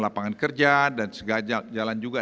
lapangan kerja dan sejalan juga